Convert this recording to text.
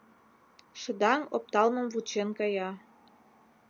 Шыдаҥ опталмым вучен кая